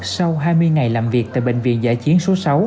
sau hai mươi ngày làm việc tại bệnh viện giã chiến số sáu